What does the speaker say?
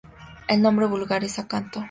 El nombre vulgar es: Acanto.